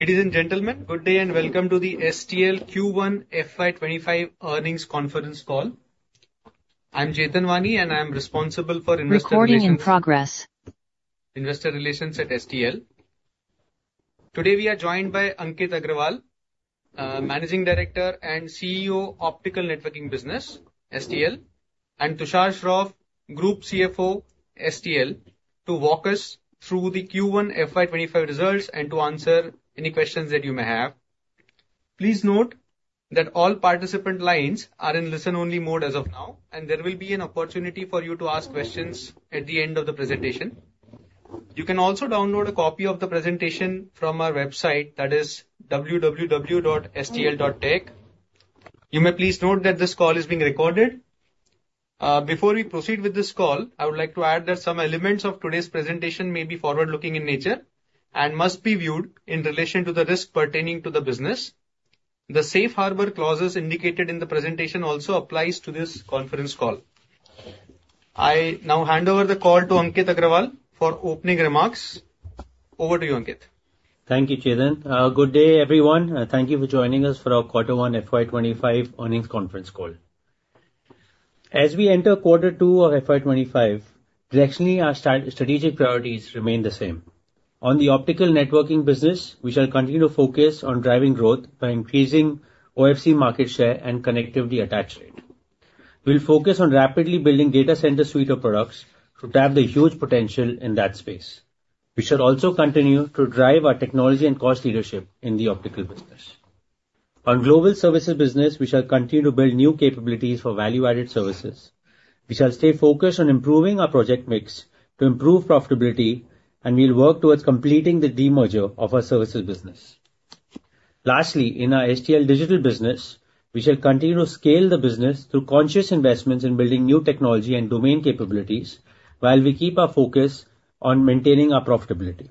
Ladies and gentlemen, good day and welcome to the STL Q1 FY25 earnings conference call. I'm Chetan Wani, and I'm responsible for investor relations. Recording in progress. Investor Relations at STL. Today we are joined by Ankit Agarwal, Managing Director and CEO, Optical Networking Business, STL, and Tushar Shroff, Group CFO, STL, to walk us through the Q1 FY25 results and to answer any questions that you may have. Please note that all participant lines are in listen-only mode as of now, and there will be an opportunity for you to ask questions at the end of the presentation. You can also download a copy of the presentation from our website that is www.stl.tech. You may please note that this call is being recorded. Before we proceed with this call, I would like to add that some elements of today's presentation may be forward-looking in nature and must be viewed in relation to the risk pertaining to the business. The safe harbor clauses indicated in the presentation also apply to this conference call. I now hand over the call to Ankit Agarwal for opening remarks. Over to you, Ankit. Thank you, Chetan. Good day, everyone. Thank you for joining us for our quarter one FY25 earnings conference call. As we enter Quarter Two of FY25, directionally, our strategic priorities remain the same. On the optical networking business, we shall continue to focus on driving growth by increasing OFC market share and connectivity attach rate. We'll focus on rapidly building data center suite of products to tap the huge potential in that space. We shall also continue to drive our technology and cost leadership in the optical business. On global services business, we shall continue to build new capabilities for value-added services. We shall stay focused on improving our project mix to improve profitability, and we'll work towards completing the demerger of our services business. Lastly, in our STL Digital business, we shall continue to scale the business through conscious investments in building new technology and domain capabilities while we keep our focus on maintaining our profitability.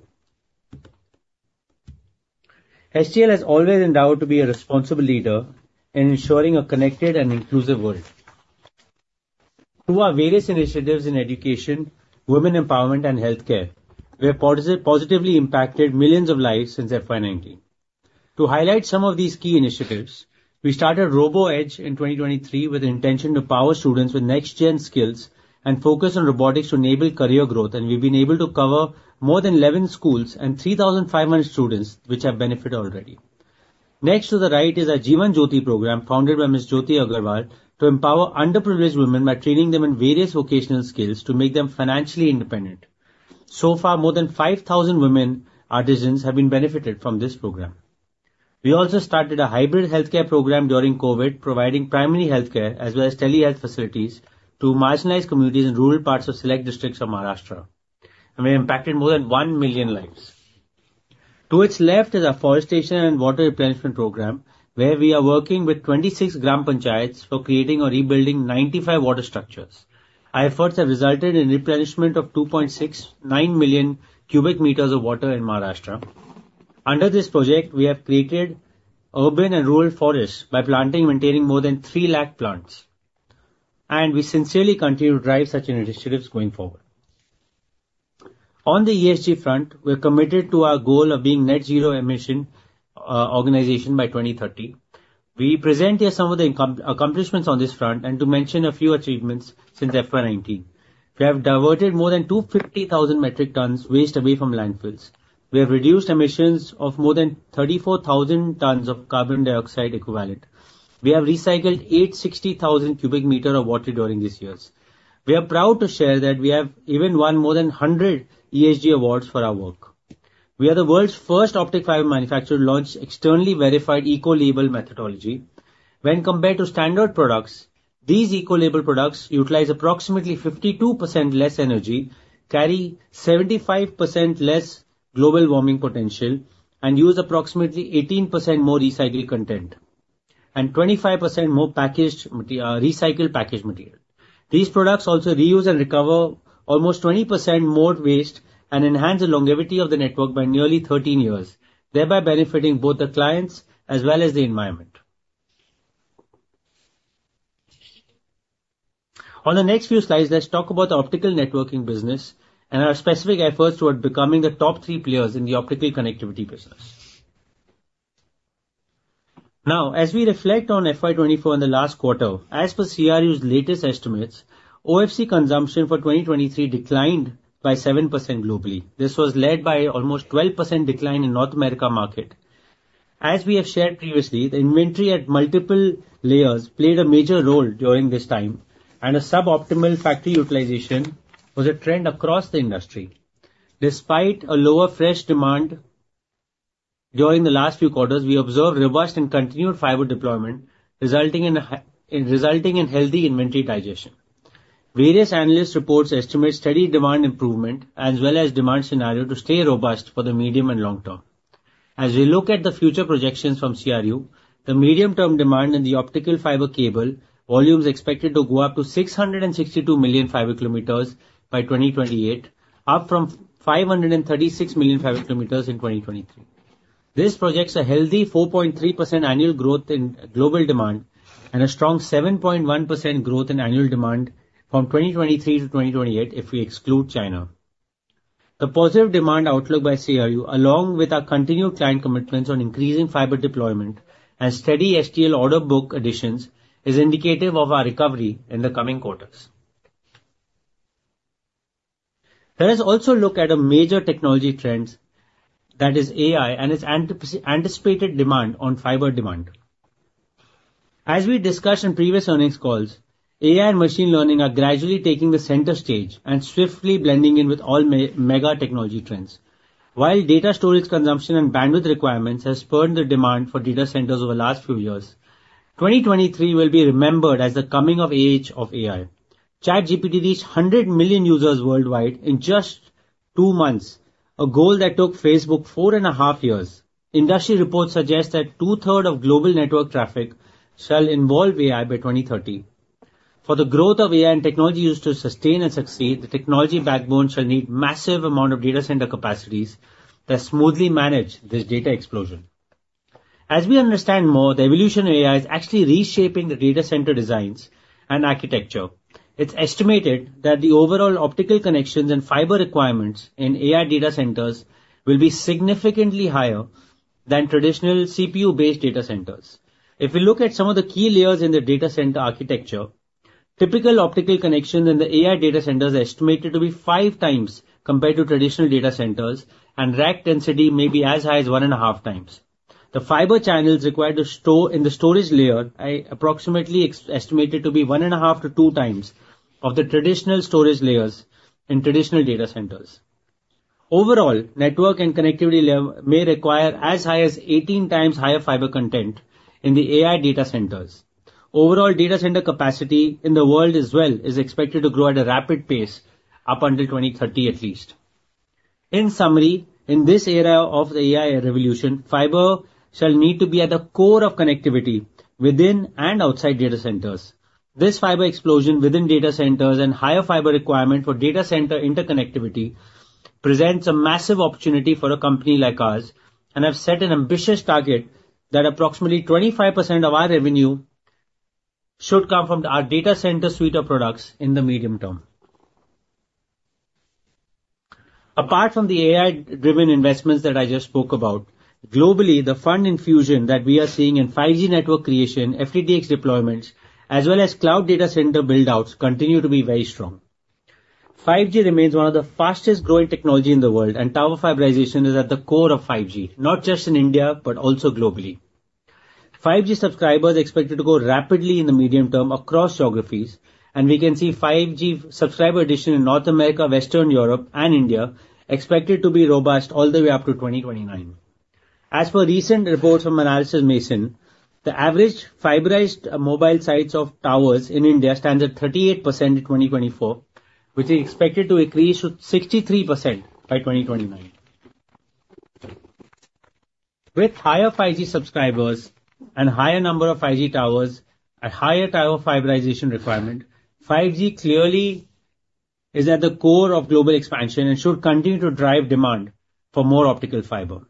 STL has always endeavored to be a responsible leader in ensuring a connected and inclusive world. Through our various initiatives in education, women empowerment, and healthcare, we have positively impacted millions of lives since FY19. To highlight some of these key initiatives, we started RoboEdge in 2023 with the intention to empower students with next-gen skills and focus on robotics to enable career growth, and we've been able to cover more than 11 schools and 3,500 students, which have benefited already. Next to the right is our Jeewan Jyoti program, founded by Ms. Jyoti Agarwal, to empower underprivileged women by training them in various vocational skills to make them financially independent. So far, more than 5,000 women artisans have been benefited from this program. We also started a hybrid healthcare program during COVID, providing primary healthcare as well as telehealth facilities to marginalized communities in rural parts of select districts of Maharashtra. We impacted more than 1 million lives. To its left is our forestation and water replenishment program, where we are working with 26 gram panchayats for creating or rebuilding 95 water structures. Our efforts have resulted in replenishment of 2.69 million cubic meters of water in Maharashtra. Under this project, we have created urban and rural forests by planting and maintaining more than 300,000 plants. We sincerely continue to drive such initiatives going forward. On the ESG front, we're committed to our goal of being a net zero emission organization by 2030. We present here some of the accomplishments on this front and to mention a few achievements since FY19. We have diverted more than 250,000 metric tons waste away from landfills. We have reduced emissions of more than 34,000 tons of carbon dioxide equivalent. We have recycled 860,000 cubic meters of water during these years. We are proud to share that we have even won more than 100 ESG awards for our work. We are the world's first optic fiber manufacturer to launch externally verified Eco-label methodology. When compared to standard products, these Eco-label products utilize approximately 52% less energy, carry 75% less global warming potential, and use approximately 18% more recycled content and 25% more recycled package material. These products also reuse and recover almost 20% more waste and enhance the longevity of the network by nearly 13 years, thereby benefiting both the clients as well as the environment. On the next few slides, let's talk about the optical networking business and our specific efforts toward becoming the top three players in the optical connectivity business. Now, as we reflect on FY24 in the last quarter, as per CRU's latest estimates, OFC consumption for 2023 declined by 7% globally. This was led by almost 12% decline in North America market. As we have shared previously, the inventory at multiple layers played a major role during this time, and a suboptimal factory utilization was a trend across the industry. Despite a lower fresh demand during the last few quarters, we observed reversed and continued fiber deployment, resulting in healthy inventory digestion. Various analyst reports estimate steady demand improvement as well as demand scenario to stay robust for the medium and long term. As we look at the future projections from CRU, the medium-term demand in the optical fiber cable volume is expected to go up to 662 million fiber kilometers by 2028, up from 536 million fiber kilometers in 2023. This projects a healthy 4.3% annual growth in global demand and a strong 7.1% growth in annual demand from 2023 to 2028 if we exclude China. The positive demand outlook by CRU, along with our continued client commitments on increasing fiber deployment and steady STL order book additions, is indicative of our recovery in the coming quarters. Let us also look at a major technology trend, that is AI and its anticipated demand on fiber demand. As we discussed in previous earnings calls, AI and machine learning are gradually taking the center stage and swiftly blending in with all mega technology trends. While data storage consumption and bandwidth requirements have spurred the demand for data centers over the last few years, 2023 will be remembered as the coming of age of AI. ChatGPT reached 100 million users worldwide in just two months, a goal that took Facebook four and a half years. Industry reports suggest that two-thirds of global network traffic shall involve AI by 2030. For the growth of AI and technology used to sustain and succeed, the technology backbone shall need massive amounts of data center capacities that smoothly manage this data explosion. As we understand more, the evolution of AI is actually reshaping the data center designs and architecture. It's estimated that the overall optical connections and fiber requirements in AI data centers will be significantly higher than traditional CPU-based data centers. If we look at some of the key layers in the data center architecture, typical optical connections in the AI data centers are estimated to be 5 times compared to traditional data centers, and rack density may be as high as 1.5 times. The fiber channels required to store in the storage layer are approximately estimated to be 1.5-2 times of the traditional storage layers in traditional data centers. Overall, network and connectivity may require as high as 18 times higher fiber content in the AI data centers. Overall data center capacity in the world as well is expected to grow at a rapid pace up until 2030 at least. In summary, in this era of the AI revolution, fiber shall need to be at the core of connectivity within and outside data centers. This fiber explosion within data centers and higher fiber requirement for data center interconnectivity presents a massive opportunity for a company like ours and has set an ambitious target that approximately 25% of our revenue should come from our data center suite of products in the medium term. Apart from the AI-driven investments that I just spoke about, globally, the fund infusion that we are seeing in 5G network creation, FTTX deployments, as well as cloud data center buildouts continue to be very strong. 5G remains one of the fastest growing technologies in the world, and tower fiberization is at the core of 5G, not just in India but also globally. 5G subscribers are expected to grow rapidly in the medium term across geographies, and we can see 5G subscriber addition in North America, Western Europe, and India expected to be robust all the way up to 2029. As per recent reports from Analysys Mason, the average fiberized mobile sites of towers in India stands at 38% in 2024, which is expected to increase to 63% by 2029. With higher 5G subscribers and a higher number of 5G towers and a higher tower fiberization requirement, 5G clearly is at the core of global expansion and should continue to drive demand for more optical fiber.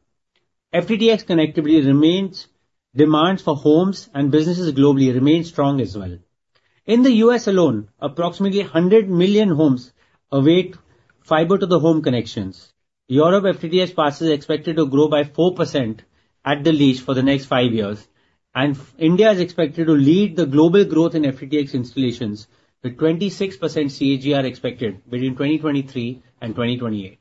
FTTX connectivity remains demand for homes and businesses globally remains strong as well. In the U.S. alone, approximately 100 million homes await fiber-to-the-home connections. Europe FTTX passes are expected to grow by 4% at the least for the next five years, and India is expected to lead the global growth in FTTX installations with 26% CAGR expected between 2023 and 2028.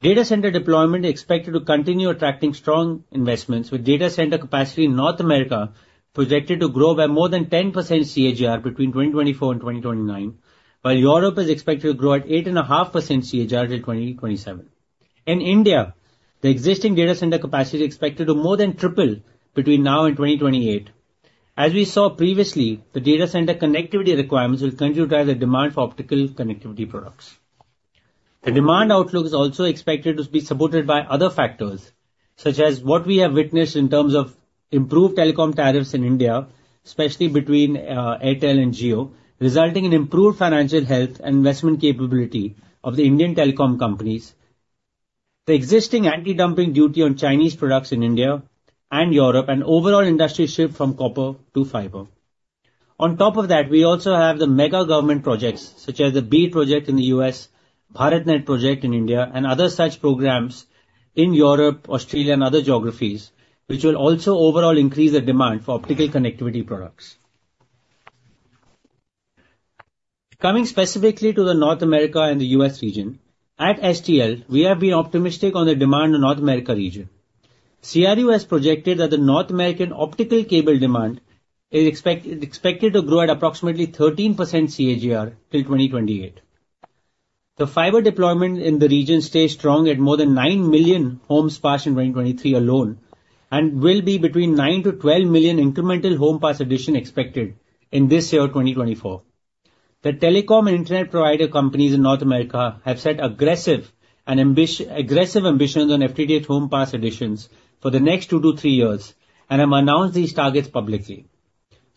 Data center deployment is expected to continue attracting strong investments, with data center capacity in North America projected to grow by more than 10% CAGR between 2024 and 2029, while Europe is expected to grow at 8.5% CAGR until 2027. In India, the existing data center capacity is expected to more than triple between now and 2028. As we saw previously, the data center connectivity requirements will continue to drive the demand for optical connectivity products. The demand outlook is also expected to be supported by other factors, such as what we have witnessed in terms of improved telecom tariffs in India, especially between Airtel and Jio, resulting in improved financial health and investment capability of the Indian telecom companies, the existing anti-dumping duty on Chinese products in India and Europe, and overall industry shift from copper to fiber. On top of that, we also have the mega government projects, such as the BEAD program in the U.S., BharatNet project in India, and other such programs in Europe, Australia, and other geographies, which will also overall increase the demand for optical connectivity products. Coming specifically to the North America and the U.S. region, at STL, we have been optimistic on the demand in the North America region. CRU has projected that the North American optical cable demand is expected to grow at approximately 13% CAGR till 2028. The fiber deployment in the region stays strong at more than 9 million homes passed in 2023 alone and will be between 9-12 million incremental home pass additions expected in this year of 2024. The telecom and internet provider companies in North America have set aggressive ambitions on FTTX home pass additions for the next 2-3 years and have announced these targets publicly.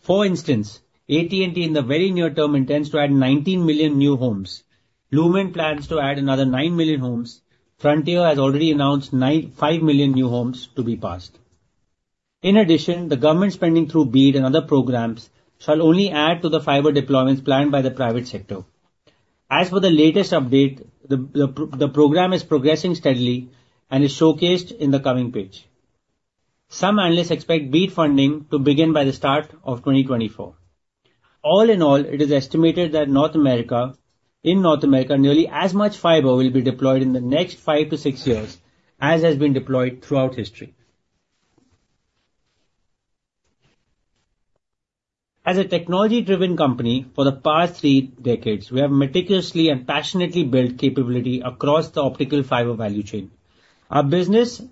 For instance, AT&T in the very near term intends to add 19 million new homes. Lumen plans to add another 9 million homes. Frontier has already announced 5 million new homes to be passed. In addition, the government spending through BEAD and other programs shall only add to the fiber deployments planned by the private sector. As per the latest update, the program is progressing steadily and is showcased in the coming page. Some analysts expect BEAD funding to begin by the start of 2024. All in all, it is estimated that in North America, nearly as much fiber will be deployed in the next 5-6 years as has been deployed throughout history. As a technology-driven company for the past three decades, we have meticulously and passionately built capability across the optical fiber value chain. Our business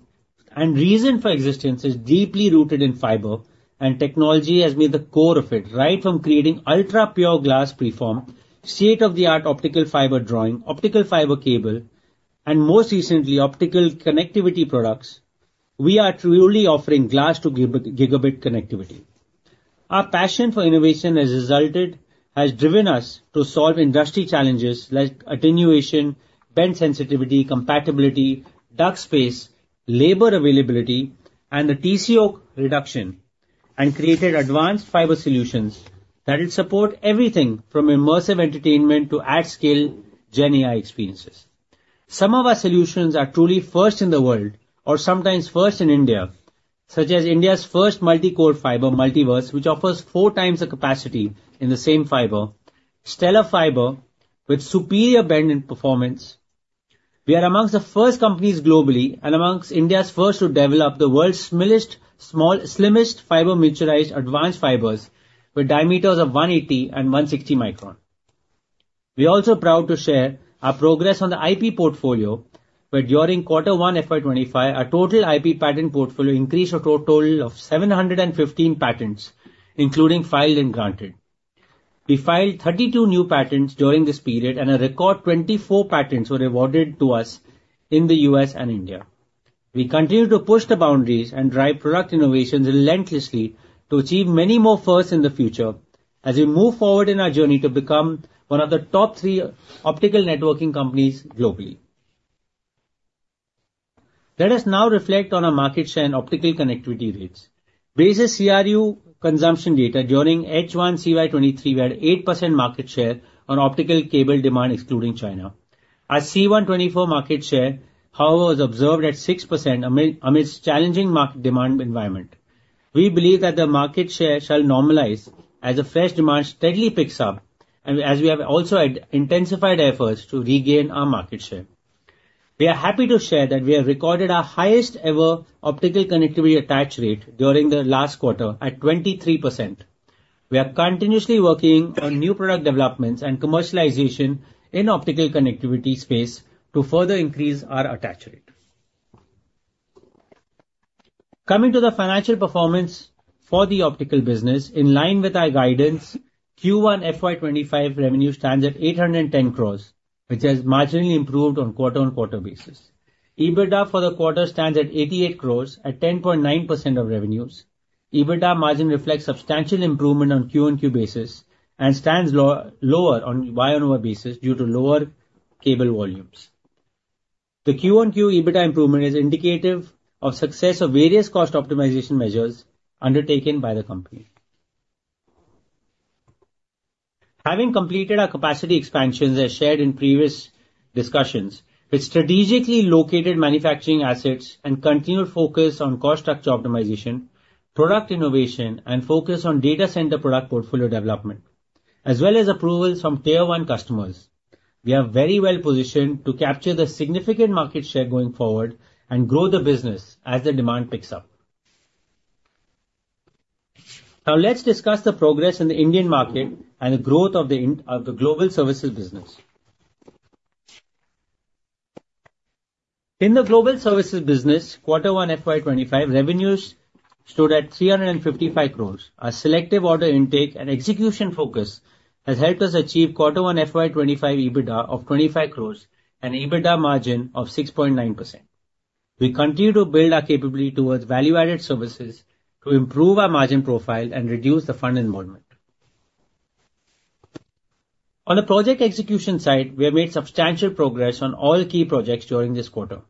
and reason for existence is deeply rooted in fiber, and technology has been the core of it, right from creating ultra-pure glass preform, state-of-the-art optical fiber drawing, optical fiber cable, and most recently, optical connectivity products. We are truly offering glass-to-gigabit connectivity. Our passion for innovation has driven us to solve industry challenges like attenuation, bend sensitivity, compatibility, duct space, labor availability, and the TCO reduction, and created advanced fiber solutions that will support everything from immersive entertainment to at-scale Gen AI experiences. Some of our solutions are truly first in the world or sometimes first in India, such as India's first multi-core fiber, Multiverse, which offers 4x the capacity in the same fiber, Stellar Fiber with superior bend and performance. We are among the first companies globally and among India's first to develop the world's smallest, slimmest fiber miniaturized advanced fibers with diameters of 180 and 160 microns. We are also proud to share our progress on the IP portfolio, where during quarter one of FY25, our total IP patent portfolio increased to a total of 715 patents, including filed and granted. We filed 32 new patents during this period, and a record 24 patents were awarded to us in the U.S. and India. We continue to push the boundaries and drive product innovations relentlessly to achieve many more firsts in the future as we move forward in our journey to become one of the top three optical networking companies globally. Let us now reflect on our market share in optical connectivity rates. Based on CRU consumption data during H1 CY23, we had 8% market share on optical cable demand excluding China. Our Q1 FY24 market share, however, was observed at 6% amidst challenging market demand environment. We believe that the market share shall normalize as the fresh demand steadily picks up, and as we have also intensified efforts to regain our market share. We are happy to share that we have recorded our highest ever optical connectivity attach rate during the last quarter at 23%. We are continuously working on new product developments and commercialization in the optical connectivity space to further increase our attach rate. Coming to the financial performance for the optical business, in line with our guidance, Q1 FY25 revenue stands at 810 crore, which has marginally improved on quarter-on-quarter basis. EBITDA for the quarter stands at 88 crore, at 10.9% of revenues. EBITDA margin reflects substantial improvement on quarter-over-quarter basis and stands lower on year-over-year basis due to lower cable volumes. The quarter-over-quarter EBITDA improvement is indicative of the success of various cost optimization measures undertaken by the company. Having completed our capacity expansions as shared in previous discussions, with strategically located manufacturing assets and continued focus on cost structure optimization, product innovation, and focus on data center product portfolio development, as well as approvals from tier-one customers, we are very well positioned to capture the significant market share going forward and grow the business as the demand picks up. Now, let's discuss the progress in the Indian market and the growth of the global services business. In the global services business, quarter one FY25 revenues stood at 355 crores. Our selective order intake and execution focus has helped us achieve quarter one FY25 EBITDA of 25 crore and an EBITDA margin of 6.9%. We continue to build our capability towards value-added services to improve our margin profile and reduce the fund involvement. On the project execution side, we have made substantial progress on all key projects during this quarter.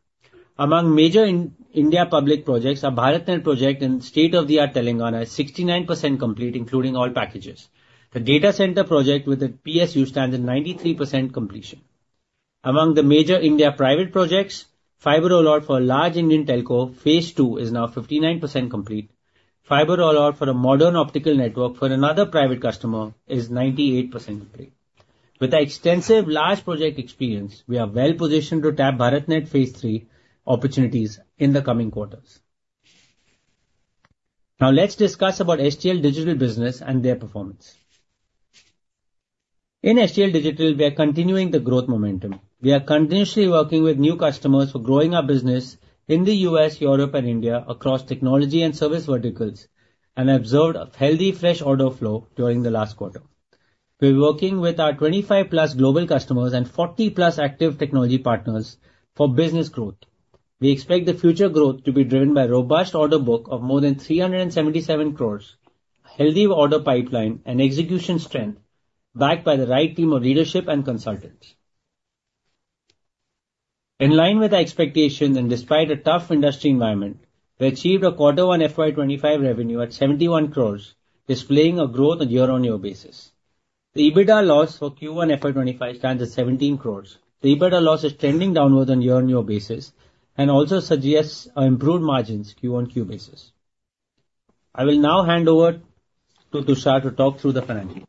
Among major India public projects, our BharatNet project in state-of-the-art Telangana is 69% complete, including all packages. The data center project with the PSU stands at 93% completion. Among the major India private projects, fiber rollout for a large Indian telco, Phase II, is now 59% complete. Fiber rollout for a modern optical network for another private customer is 98% complete. With our extensive large project experience, we are well positioned to tap BharatNet Phase III opportunities in the coming quarters. Now, let's discuss STL Digital Business and their performance. In STL Digital, we are continuing the growth momentum. We are continuously working with new customers for growing our business in the US, Europe, and India across technology and service verticals and have observed a healthy, fresh order flow during the last quarter. We are working with our 25+ global customers and 40+ active technology partners for business growth. We expect the future growth to be driven by a robust order book of more than 377 crore, a healthy order pipeline, and execution strength backed by the right team of leadership and consultants. In line with our expectations and despite a tough industry environment, we achieved a quarter one FY25 revenue at 71 crore, displaying a growth on a year-on-year basis. The EBITDA loss for Q1 FY25 stands at 17 crore. The EBITDA loss is trending downward on a year-on-year basis and also suggests improved margins on a Q-o-Q basis. I will now hand over to Tushar to talk through the financials.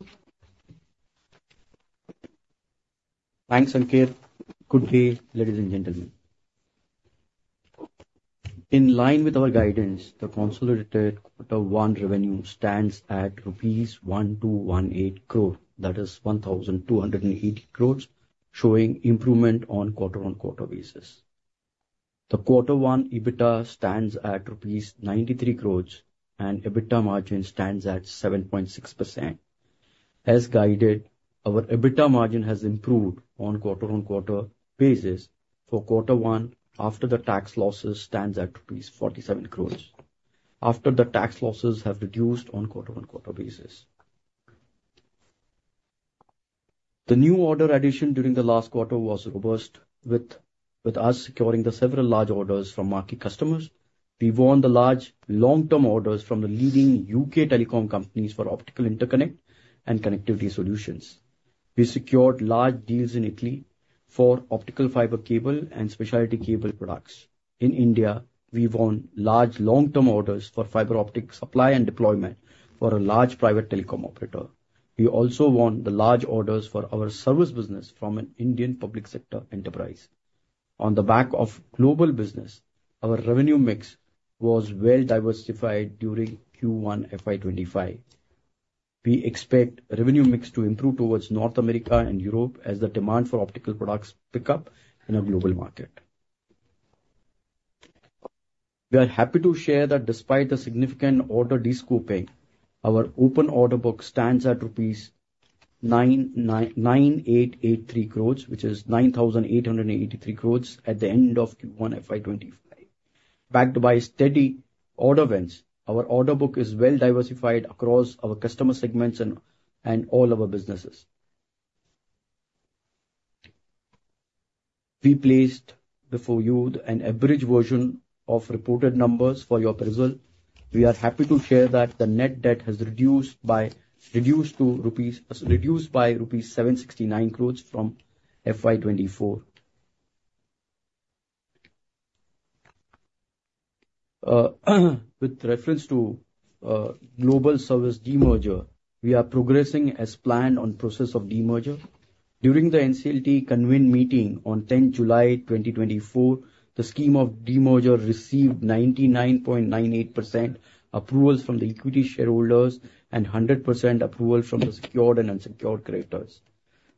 Thanks, Ankit, Good day, ladies and gentlemen. In line with our guidance, the consolidated quarter one revenue stands at rupees 1,218 crores, that is 1,280 crores, showing improvement on a quarter-on-quarter basis. The quarter one EBITDA stands at rupees 93 crores, and EBITDA margin stands at 7.6%. As guided, our EBITDA margin has improved on a quarter-on-quarter basis for quarter one after the tax losses stands at rupees 47 crores, after the tax losses have reduced on a quarter-on-quarter basis. The new order addition during the last quarter was robust, with us securing several large orders from marquee customers. We won the large long-term orders from the leading UK telecom companies for optical interconnect and connectivity solutions. We secured large deals in Italy for optical fiber cable and specialty cable products. In India, we won large long-term orders for fiber optic supply and deployment for a large private telecom operator. We also won the large orders for our service business from an Indian public sector enterprise. On the back of global business, our revenue mix was well diversified during Q1 FY25. We expect the revenue mix to improve towards North America and Europe as the demand for optical products picks up in a global market. We are happy to share that despite the significant order de-scoping, our open order book stands at ₹9,883 crores, which is 9,883 crores at the end of Q1 FY25. Backed by steady order wins, our order book is well diversified across our customer segments and all our businesses. We placed before you an overview of reported numbers for your perusal. We are happy to share that the net debt has reduced by rupees 769 crores from FY 2024. With reference to global service demerger, we are progressing as planned on the process of demerger. During the NCLT convened meeting on 10 July 2024, the scheme of demerger received 99.98% approvals from the equity shareholders and 100% approvals from the secured and unsecured creditors.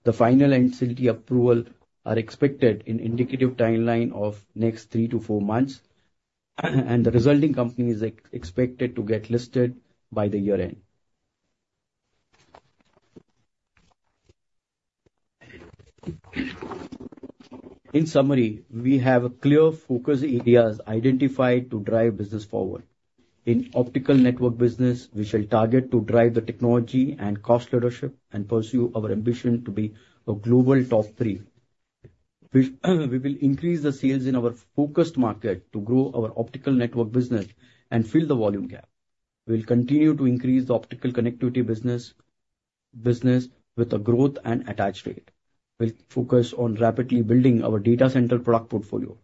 The final NCLT approvals are expected in the indicative timeline of the next 3-4 months, and the resulting company is expected to get listed by the year-end. In summary, we have clear focus areas identified to drive business forward. In optical network business, we shall target to drive the technology and cost leadership and pursue our ambition to be a global top three. We will increase the sales in our focused market to grow our optical network business and fill the volume gap. We will continue to increase the optical connectivity business with a growth and attach rate. We will focus on rapidly building our data center product portfolio.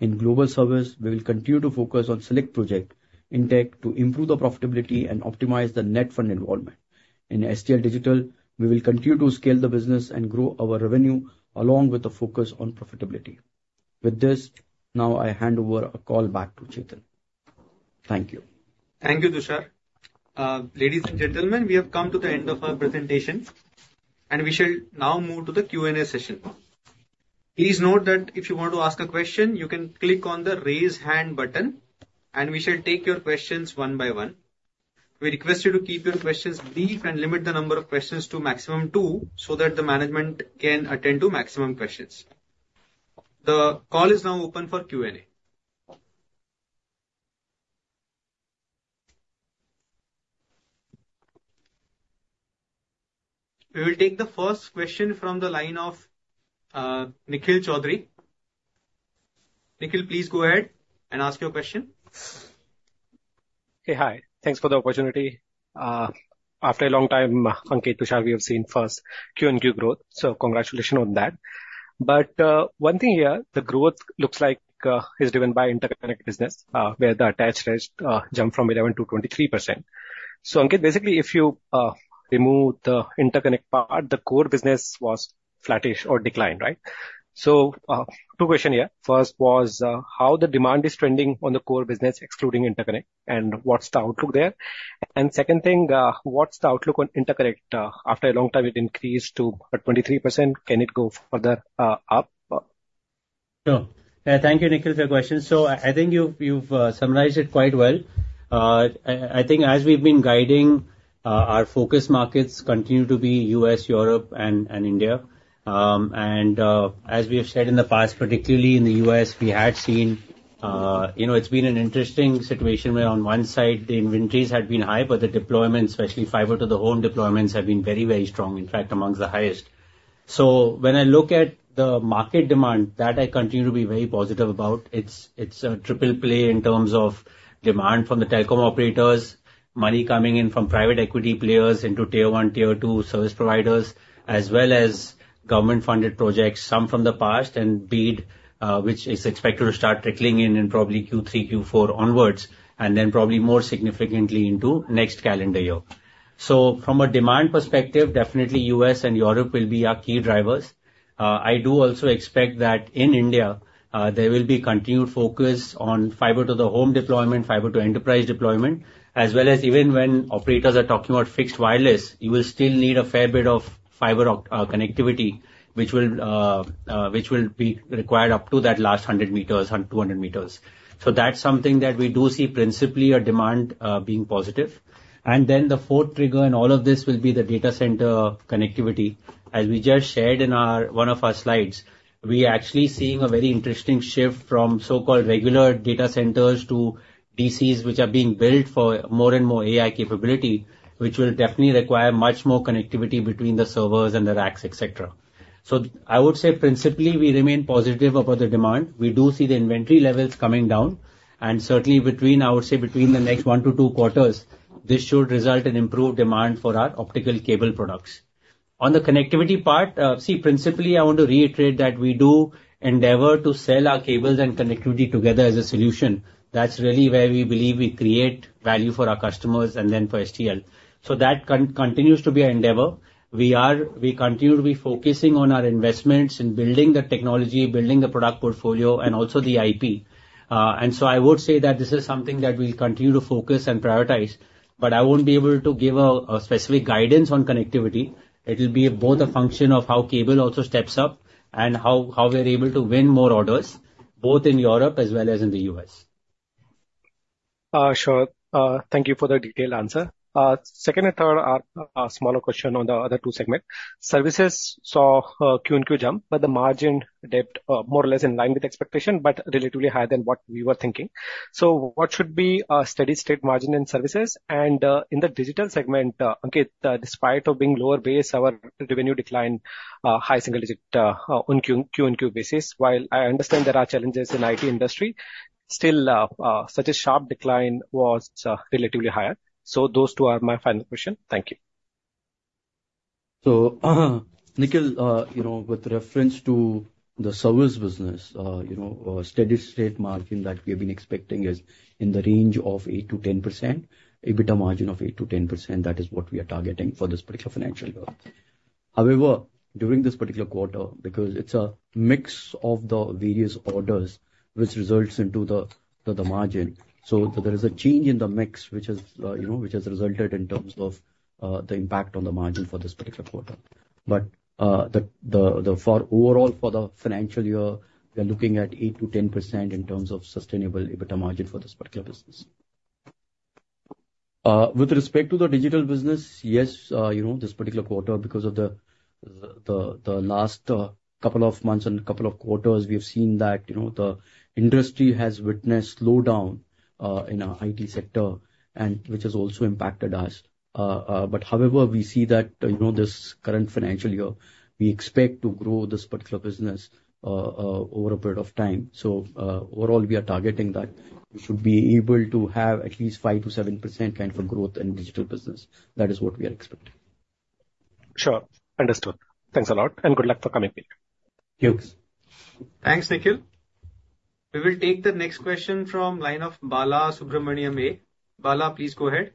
In global service, we will continue to focus on select project intake to improve the profitability and optimize the net fund involvement. In STL Digital, we will continue to scale the business and grow our revenue along with the focus on profitability. With this, now I hand over a call back to Chetan. Thank you. Thank you, Tushar. Ladies and gentlemen, we have come to the end of our presentation, and we shall now move to the Q&A session. Please note that if you want to ask a question, you can click on the raise hand button, and we shall take your questions one by one. We request you to keep your questions brief and limit the number of questions to a maximum of 2 so that the management can attend to maximum questions. The call is now open for Q&A. We will take the first question from the line of Nikhil Choudhary. Nikhil, please go ahead and ask your question. Okay, hi. Thanks for the opportunity. After a long time, Ankit and Tushar, we have seen first Q-o-Q growth, so congratulations on that. But one thing here, the growth looks like it is driven by interconnect business, where the attach rate jumped from 11% to 23%. So Ankit, basically, if you remove the interconnect part, the core business was flattish or declined, right? So 2 questions here. First was how the demand is trending on the core business, excluding interconnect, and what's the outlook there? Second thing, what's the outlook on interconnect after a long time? It increased to 23%. Can it go further up? Sure. Thank you, Nikhil, for your question. So I think you've summarized it quite well. I think as we've been guiding, our focus markets continue to be U.S., Europe, and India. And as we have said in the past, particularly in the U.S., we had seen it's been an interesting situation where on one side, the inventories had been high, but the deployments, especially fiber to the home deployments, have been very, very strong, in fact, among the highest. So when I look at the market demand, that I continue to be very positive about. It's a triple play in terms of demand from the telecom operators, money coming in from private equity players into tier-one, tier-two service providers, as well as government-funded projects, some from the past, and BEAD, which is expected to start trickling in in probably Q3, Q4 onwards, and then probably more significantly into next calendar year. So from a demand perspective, definitely U.S. and Europe will be our key drivers. I do also expect that in India, there will be continued focus on fiber to the home deployment, fiber to enterprise deployment, as well as even when operators are talking about fixed wireless, you will still need a fair bit of fiber connectivity, which will be required up to that last 100 meters, 200 meters. So that's something that we do see principally a demand being positive. And then the fourth trigger in all of this will be the data center connectivity. As we just shared in one of our slides, we are actually seeing a very interesting shift from so-called regular data centers to DCs, which are being built for more and more AI capability, which will definitely require much more connectivity between the servers and the racks, etc. So I would say principally, we remain positive about the demand. We do see the inventory levels coming down. And certainly, I would say between the next 1 to 2 quarters, this should result in improved demand for our optical cable products. On the connectivity part, see, principally, I want to reiterate that we do endeavor to sell our cables and connectivity together as a solution. That's really where we believe we create value for our customers and then for STL. So that continues to be our endeavor. We continue to be focusing on our investments in building the technology, building the product portfolio, and also the IP. And so I would say that this is something that we'll continue to focus and prioritize, but I won't be able to give a specific guidance on connectivity. It will be both a function of how cable also steps up and how we're able to win more orders, both in Europe as well as in the US. Sure. Thank you for the detailed answer. Second and third are smaller questions on the other two segments. Services saw a Q-o-Q jump, but the margin dipped more or less in line with expectation, but relatively higher than what we were thinking. So what should be a steady-state margin in services? In the digital segment, Ankit, despite being lower base, our revenue declined high single-digit on Q-o-Q basis. While I understand there are challenges in the IT industry, still such a sharp decline was relatively higher. Those two are my final questions. Thank you. Nikhil, with reference to the service business, a steady-state margin that we have been expecting is in the range of 8%-10%. EBITDA margin of 8%-10%, that is what we are targeting for this particular financial year. However, during this particular quarter, because it's a mix of the various orders, which results into the margin, so there is a change in the mix, which has resulted in terms of the impact on the margin for this particular quarter. Overall, for the financial year, we are looking at 8%-10% in terms of sustainable EBITDA margin for this particular business. With respect to the digital business, yes, this particular quarter, because of the last couple of months and a couple of quarters, we have seen that the industry has witnessed a slowdown in the IT sector, which has also impacted us. But however, we see that this current financial year, we expect to grow this particular business over a period of time. So overall, we are targeting that we should be able to have at least 5%-7% kind of growth in the digital business. That is what we are expecting. Sure. Understood. Thanks a lot, and good luck for coming here. Thanks, Nikhil. We will take the next question from the line of Balasubramanian A Bala, please go ahead.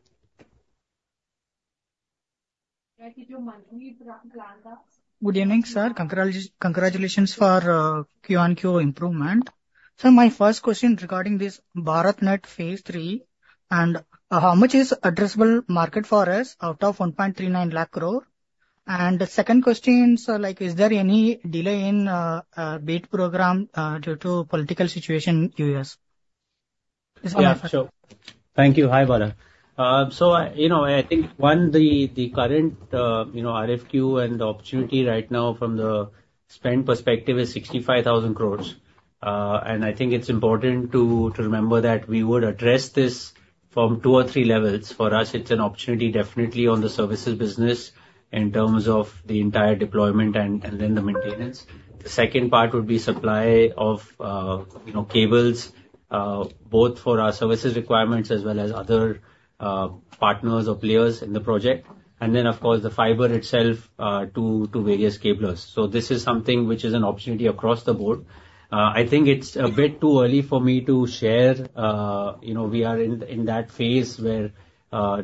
Good evening, sir. Congratulations for QoQ improvement. So my first question regarding this BharatNet Phase III, and how much is the addressable market for us out of 139,000 crore? And the second question is, is there any delay in the BEAD Program due to the political situation in the U.S.? Yeah, sure. Thank you. Hi, Bala. So I think, 1, the current RFQ and the opportunity right now from the spend perspective is 65,000 crore. And I think it's important to remember that we would address this from 2 or 3 levels. For us, it's an opportunity, definitely, on the services business in terms of the entire deployment and then the maintenance. The second part would be the supply of cables, both for our services requirements as well as other partners or players in the project. And then, of course, the fiber itself to various cablers. So this is something which is an opportunity across the board. I think it's a bit too early for me to share. We are in that Phase where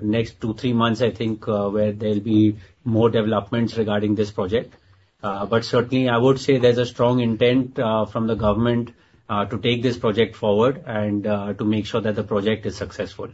next 2, 3 months, I think, where there'll be more developments regarding this project. But certainly, I would say there's a strong intent from the government to take this project forward and to make sure that the project is successful.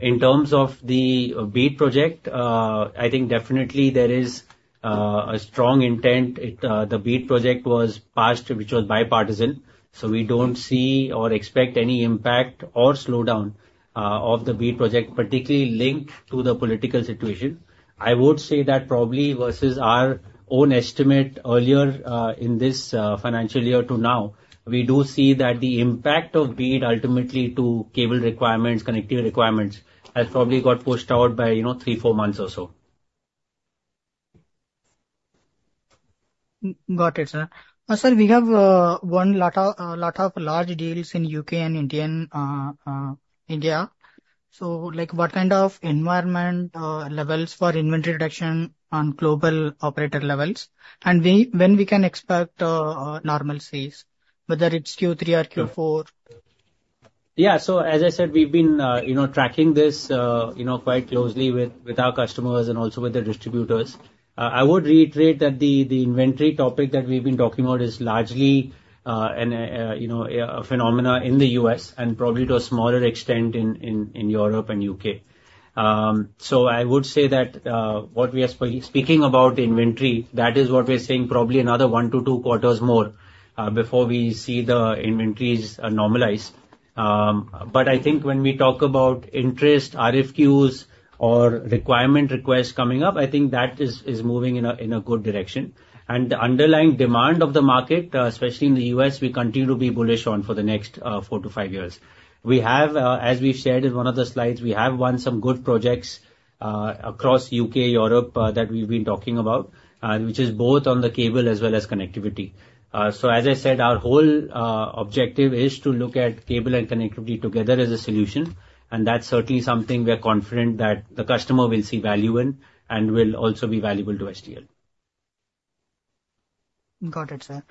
In terms of the BEAD project, I think definitely there is a strong intent. The BEAD project was passed, which was bipartisan. So we don't see or expect any impact or slowdown of the BEAD project, particularly linked to the political situation. I would say that probably versus our own estimate earlier in this financial year to now, we do see that the impact of BEAD ultimately to cable requirements, connectivity requirements, has probably got pushed out by 3-4 months or so. Got it, sir. Sir, we have a lot of large deals in the U.K. and India. So what kind of environment levels for inventory reduction on global operator levels? And when can we expect normalcy, whether it's Q3 or Q4? Yeah. So as I said, we've been tracking this quite closely with our customers and also with the distributors. I would reiterate that the inventory topic that we've been talking about is largely a phenomenon in the U.S. and probably to a smaller extent in Europe and the U.K. So I would say that what we are speaking about, inventory, that is what we're seeing probably another 1-2 quarters more before we see the inventories normalize. But I think when we talk about interest, RFQs, or requirement requests coming up, I think that is moving in a good direction. And the underlying demand of the market, especially in the U.S., we continue to be bullish on for the next 4-5 years. As we've shared in one of the slides, we have won some good projects across the U.K. and Europe that we've been talking about, which is both on the cable as well as connectivity. So as I said, our whole objective is to look at cable and connectivity together as a solution. And that's certainly something we're confident that the customer will see value in and will also be valuable to STL. Got it, sir.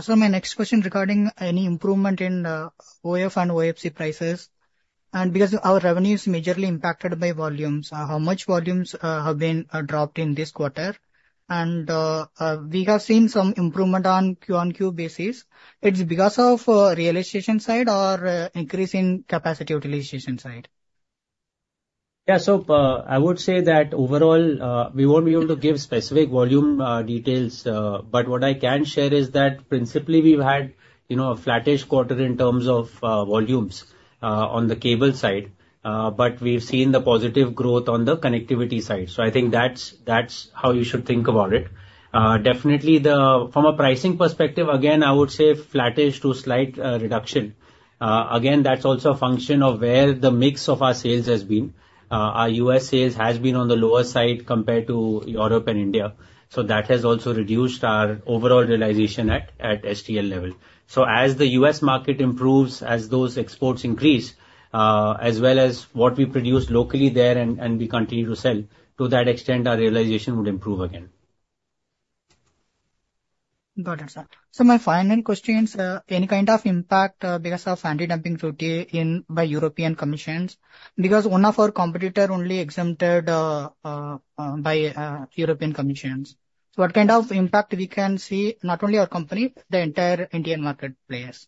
So my next question regarding any improvement in OF and OFC prices. And because our revenue is majorly impacted by volumes, how much volumes have been dropped in this quarter? And we have seen some improvement on Q-o-Q basis. It's because of the realization side or increase in capacity utilization side? Yeah. So I would say that overall, we won't be able to give specific volume details. But what I can share is that principally, we've had a flattish quarter in terms of volumes on the cable side. But we've seen the positive growth on the connectivity side. So I think that's how you should think about it. Definitely, from a pricing perspective, again, I would say flattish to slight reduction. Again, that's also a function of where the mix of our sales has been. Our US sales has been on the lower side compared to Europe and India. So that has also reduced our overall realization at STL level. So as the US market improves, as those exports increase, as well as what we produce locally there and we continue to sell, to that extent, our realization would improve again. Got it, sir. So my final question is, any kind of impact because of anti-dumping duty by European Commission? Because one of our competitors only exempted by European Commission. So what kind of impact we can see, not only our company, the entire Indian market players?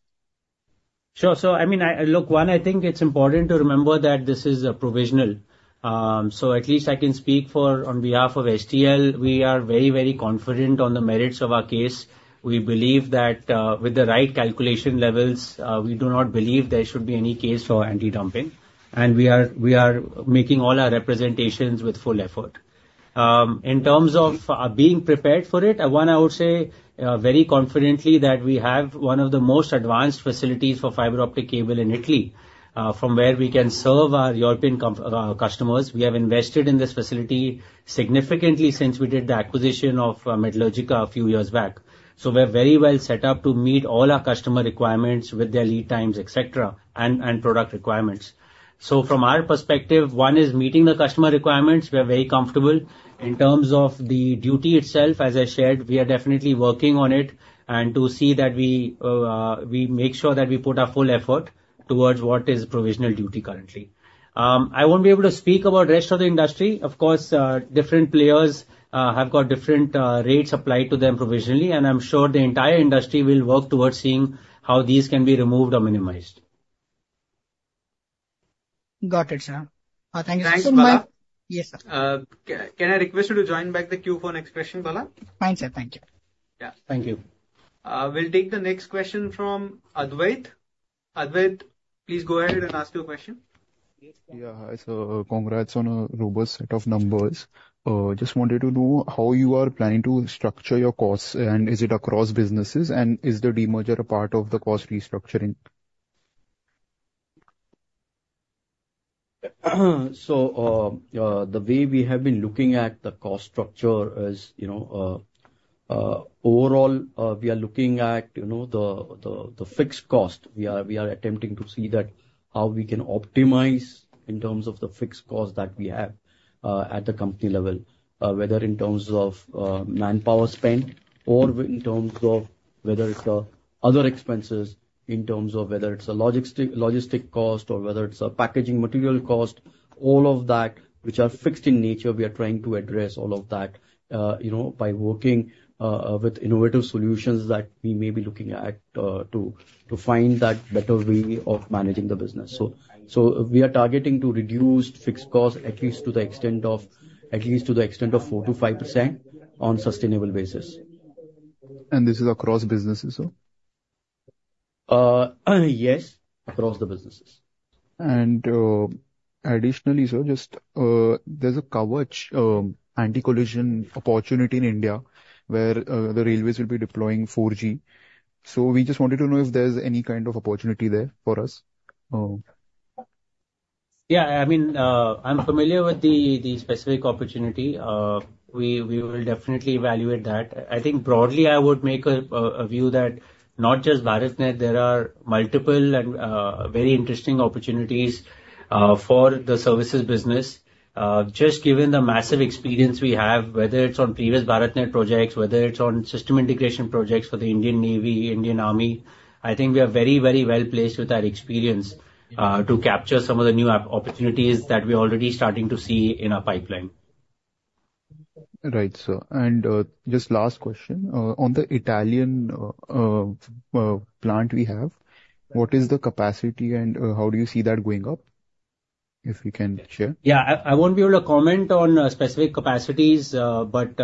Sure. So I mean, look, one, I think it's important to remember that this is provisional. So at least I can speak on behalf of STL. We are very, very confident on the merits of our case. We believe that with the right calculation levels, we do not believe there should be any case for anti-dumping. We are making all our representations with full effort. In terms of being prepared for it, one, I would say very confidently that we have one of the most advanced facilities for fiber optic cable in Italy, from where we can serve our European customers. We have invested in this facility significantly since we did the acquisition of Metallurgica a few years back. So we're very well set up to meet all our customer requirements with their lead times, etc., and product requirements. From our perspective, one is meeting the customer requirements. We are very comfortable. In terms of the duty itself, as I shared, we are definitely working on it and to see that we make sure that we put our full effort towards what is provisional duty currently. I won't be able to speak about the rest of the industry. Of course, different players have got different rates applied to them provisionally. I'm sure the entire industry will work towards seeing how these can be removed or minimized. Got it, sir. Thank you so much. Yes, sir. Can I request you to join back the queue for next question, Bala? Fine, sir. Thank you. Yeah. Thank you. We'll take the next question from Advait. Advait, please go ahead and ask your question. Yeah. So congrats on a robust set of numbers. Just wanted to know how you are planning to structure your costs, and is it across businesses, and is the demerger a part of the cost restructuring? So the way we have been looking at the cost structure is overall, we are looking at the fixed cost. We are attempting to see how we can optimize in terms of the fixed cost that we have at the company level, whether in terms of manpower spend or in terms of whether it's other expenses, in terms of whether it's a logistics cost or whether it's a packaging material cost, all of that, which are fixed in nature. We are trying to address all of that by working with innovative solutions that we may be looking at to find that better way of managing the business. So we are targeting to reduce fixed costs at least to the extent of at least to the extent of 4%-5% on a sustainable basis. And this is across businesses, sir? Yes. Across the businesses. And additionally, sir, just there's a Kavach anti-collision opportunity in India where the railways will be deploying 4G. So we just wanted to know if there's any kind of opportunity there for us. Yeah. I mean, I'm familiar with the specific opportunity. We will definitely evaluate that. I think broadly, I would make a view that not just BharatNet, there are multiple and very interesting opportunities for the services business. Just given the massive experience we have, whether it's on previous BharatNet projects, whether it's on system integration projects for the Indian Navy, Indian Army, I think we are very, very well placed with that experience to capture some of the new opportunities that we are already starting to see in our pipeline. Right, sir. And just last question. On the Italian plant we have, what is the capacity and how do you see that going up if you can share? Yeah. I won't be able to comment on specific capacities, but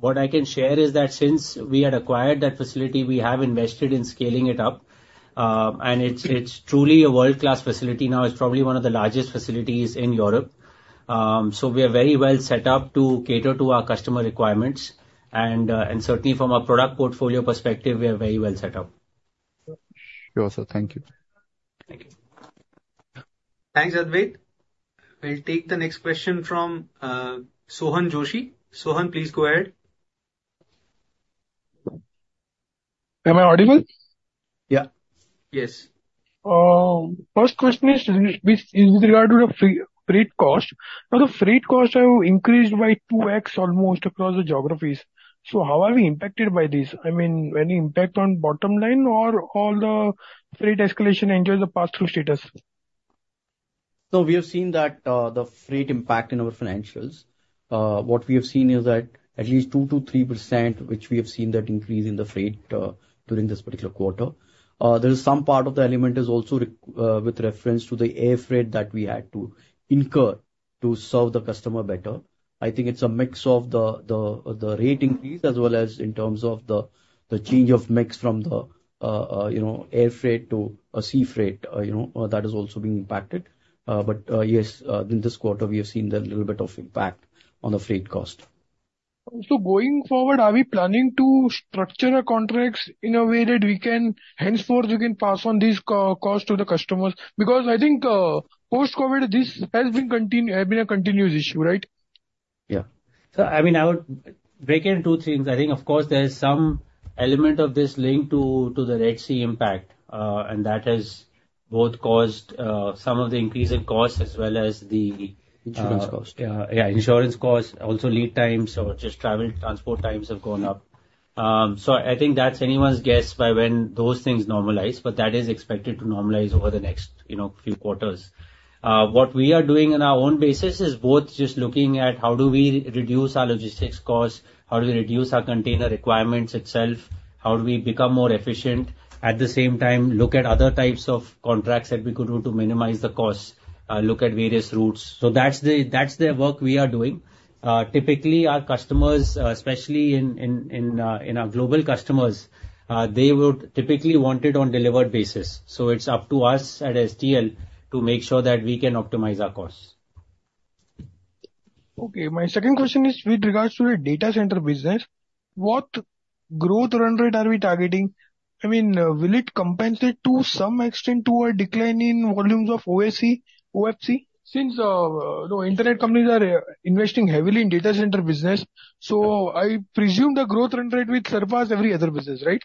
what I can share is that since we had acquired that facility, we have invested in scaling it up. And it's truly a world-class facility now. It's probably one of the largest facilities in Europe. So we are very well set up to cater to our customer requirements. Certainly, from a product portfolio perspective, we are very well set up. Sure, sir. Thank you. Thank you. Thanks, Advait. We'll take the next question from Sohan Joshi. Sohan, please go ahead. Am I audible? Yeah. Yes. First question is with regard to the freight cost. Now, the freight costs have increased by 2x almost across the geographies. So how are we impacted by this? I mean, any impact on bottom line or all the freight escalation enjoys a pass-through status? So we have seen that the freight impact in our financials. What we have seen is that at least 2%-3%, which we have seen that increase in the freight during this particular quarter. There is some part of the element is also with reference to the air freight that we had to incur to serve the customer better. I think it's a mix of the rate increase as well as in terms of the change of mix from the air freight to sea freight that is also being impacted. But yes, in this quarter, we have seen a little bit of impact on the freight cost. So going forward, are we planning to structure our contracts in a way that we can, henceforth, we can pass on these costs to the customers? Because I think post-COVID, this has been a continuous issue, right? Yeah. So I mean, I would break it into two things. I think, of course, there's some element of this link to the Red Sea impact, and that has both caused some of the increase in cost as well as the insurance cost. Yeah. Insurance cost, also lead times or just travel transport times have gone up. So I think that's anyone's guess by when those things normalize, but that is expected to normalize over the next few quarters. What we are doing on our own basis is both just looking at how do we reduce our logistics costs, how do we reduce our container requirements itself, how do we become more efficient, at the same time, look at other types of contracts that we could do to minimize the costs, look at various routes. So that's the work we are doing. Typically, our customers, especially in our global customers, they would typically want it on a delivered basis. So it's up to us at STL to make sure that we can optimize our costs. Okay. My second question is with regards to the data center business. What growth run rate are we targeting? I mean, will it compensate to some extent to our decline in volumes of OFC? Since internet companies are investing heavily in data center business, so I presume the growth run rate will surpass every other business, right?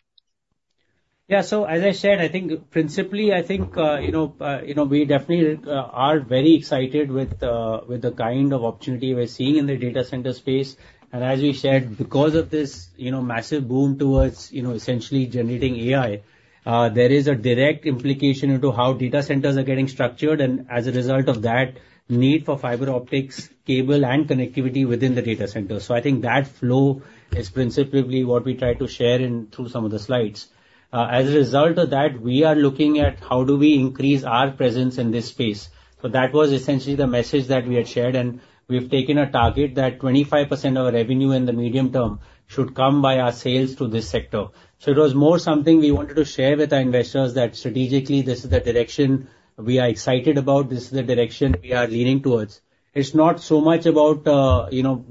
Yeah. So as I said, I think principally, I think we definitely are very excited with the kind of opportunity we're seeing in the data center space. And as we said, because of this massive boom towards essentially generating AI, there is a direct implication into how data centers are getting structured. And as a result of that, need for fiber optics, cable, and connectivity within the data centers. So I think that flow is principally what we try to share through some of the slides. As a result of that, we are looking at how do we increase our presence in this space. So that was essentially the message that we had shared. And we've taken a target that 25% of our revenue in the medium term should come by our sales to this sector. So it was more something we wanted to share with our investors that strategically, this is the direction we are excited about. This is the direction we are leaning towards. It's not so much about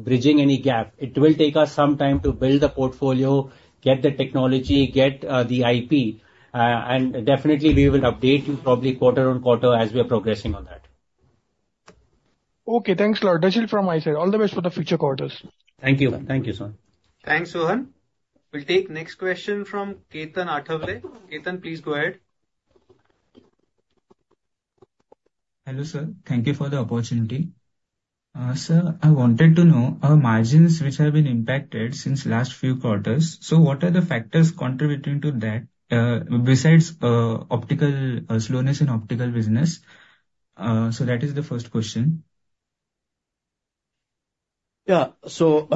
bridging any gap. It will take us some time to build the portfolio, get the technology, get the IP. And definitely, we will update you probably quarter on quarter as we are progressing on that. Okay. Thanks, Lord. That's it from my side. All the best for the future quarters. Thank you. Thank you, sir. Thanks, Sohan. We'll take next question from Ketan Athavale. Ketan, please go ahead. Hello, sir. Thank you for the opportunity. Sir, I wanted to know our margins which have been impacted since last few quarters. So what are the factors contributing to that besides optical slowness in optical business? So that is the first question. Yeah. So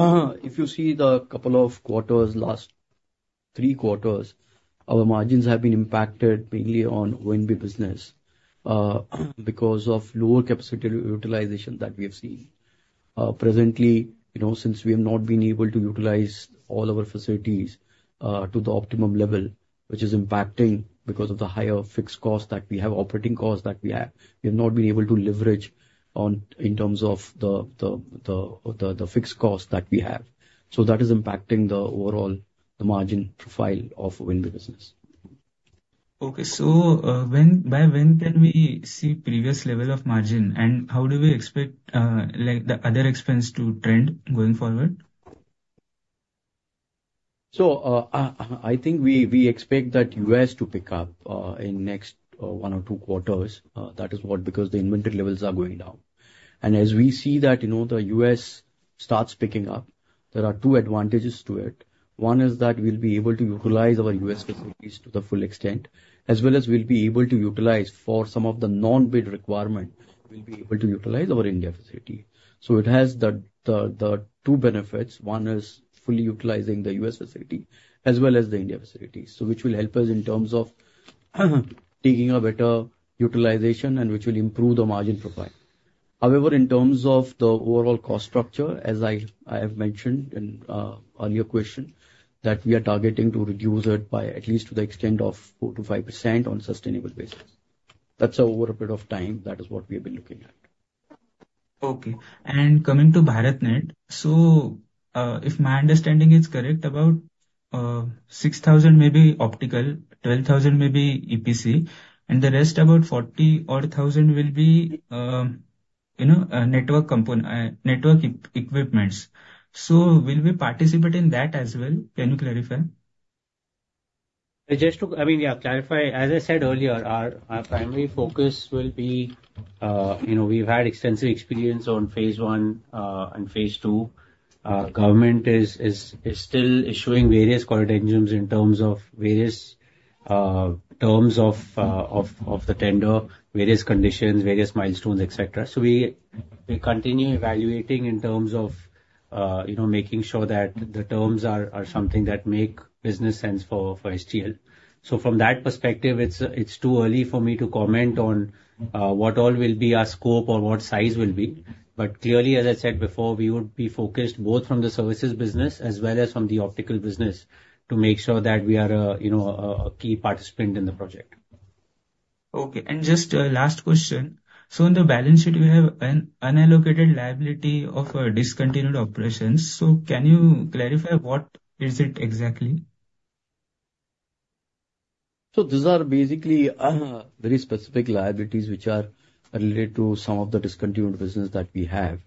if you see the couple of quarters, last three quarters, our margins have been impacted mainly on OMB business because of lower capacity utilization that we have seen. Presently, since we have not been able to utilize all our facilities to the optimum level, which is impacting because of the higher fixed cost that we have operating cost that we have. We have not been able to leverage in terms of the fixed cost that we have. So that is impacting the overall margin profile of OMB business. Okay. So by when can we see previous level of margin? And how do we expect the other expense to trend going forward? So I think we expect that U.S. to pick up in next one or two quarters. That is what because the inventory levels are going down. And as we see that the U.S. starts picking up, there are two advantages to it. One is that we'll be able to utilize our U.S. facilities to the full extent, as well as we'll be able to utilize for some of the non-BEAD requirement, we'll be able to utilize our India facility. So it has the two benefits. One is fully utilizing the U.S. facility as well as the India facilities, which will help us in terms of taking a better utilization and which will improve the margin profile. However, in terms of the overall cost structure, as I have mentioned in earlier question, that we are targeting to reduce it by at least to the extent of 4%-5% on a sustainable basis. That's over a period of time. That is what we have been looking at. Okay. Coming to BharatNet, so if my understanding is correct, about 6,000 may be optical, 12,000 may be EPC, and the rest about 41,000 will be network equipment. So will we participate in that as well? Can you clarify? I mean, yeah, clarify. As I said earlier, our primary focus will be; we've had extensive experience on Phase I and Phase II. Government is still issuing various corrigenda in terms of various terms of the tender, various conditions, various milestones, etc. So we continue evaluating in terms of making sure that the terms are something that make business sense for STL. So from that perspective, it's too early for me to comment on what all will be our scope or what size will be. But clearly, as I said before, we would be focused both from the services business as well as from the optical business to make sure that we are a key participant in the project. Okay. And just last question. So in the balance sheet, we have an unallocated liability of discontinued operations. So can you clarify what is it exactly? So these are basically very specific liabilities which are related to some of the discontinued business that we have,